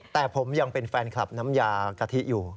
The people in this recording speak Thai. แต่ผมยังเป็นแฟนคลับน้ำยากะทิอยู่